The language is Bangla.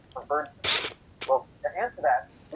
তার কোন কথা শুনবে না।